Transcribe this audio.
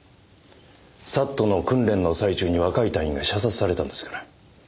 ＳＡＴの訓練の最中に若い隊員が射殺されたんですから。